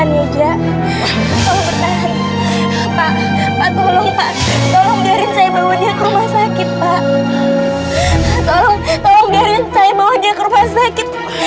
tolong biarin saya bawa dia ke rumah sakit